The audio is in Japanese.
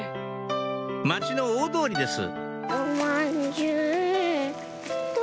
町の大通りです